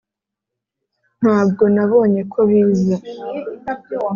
ntabwo nabonye ko biza.